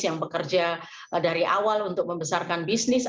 yang bekerja dari awal untuk membesarkan bisnis